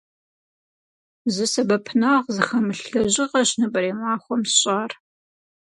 Зы сэбэпынагъ зыхэмылъ лэжьыгъэщ нобэрей махуэм сщӏар.